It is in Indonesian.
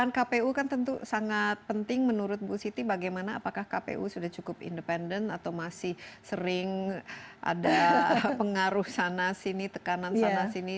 dan kpu kan tentu sangat penting menurut bu siti bagaimana apakah kpu sudah cukup independen atau masih sering ada pengaruh sana sini tekanan sana sini